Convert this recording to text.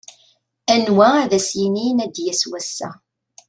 Anwa ad as-yinin a d-yass wass-a.